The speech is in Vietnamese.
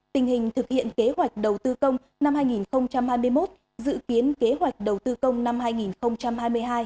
tình hình thực hiện kế hoạch đầu tư công năm hai nghìn hai mươi một dự kiến kế hoạch đầu tư công năm hai nghìn hai mươi hai